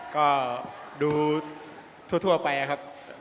ก็ดูทั่วไปครับ